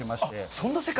そんな世界。